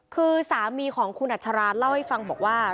คือสามีของคุณอัชราเล่าให้ฟังบอกว่า